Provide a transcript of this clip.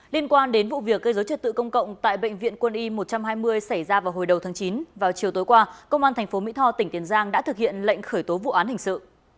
liên quan đến vụ việc gây dối trật tự công cộng tại bệnh viện quân y một trăm hai mươi xảy ra vào hồi đầu tháng chín vào chiều tối qua công an tp mỹ tho tỉnh tiền giang đã thực hiện lệnh khởi tố vụ án hình sự